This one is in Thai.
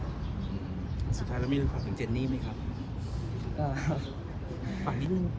สุดท้ายแล้วมีรูปฝากให้เจนนนี่ไหมครับ